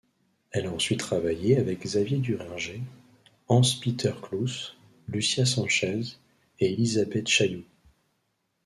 Elle a ensuite travaillé avec Xavier Durringer, Hans-Peter Cloos, Lucia Sanchez, et Élisabeth Chailloux.